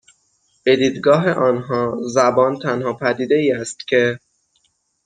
به دیدگاه آنها زبان تنها پدیدهای است که